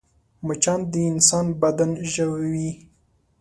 مچان د انسان بدن ژوي